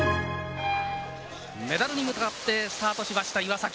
メダルに向かってスタートしました岩崎。